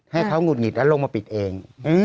ให้เขาหงุดหงิดแล้วลงมาปิดเอง